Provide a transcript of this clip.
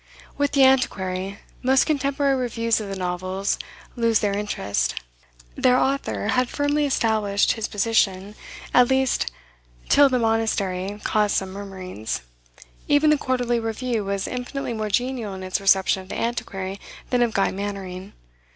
With "The Antiquary" most contemporary reviews of the novels lose their interest. Their author had firmly established his position, at least till "The Monastery" caused some murmurings. Even the "Quarterly Review" was infinitely more genial in its reception of "The Antiquary" than of "Guy Mannering."